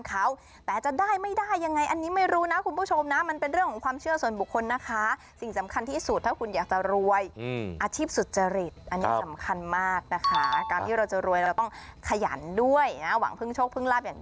กลางมีกันนะไม่อย่างนั้นก็ลูกกระเต้า